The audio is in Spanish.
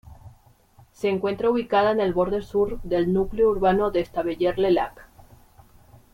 Se encuentra ubicada en el borde sur del núcleo urbano de Estavayer-le-Lac.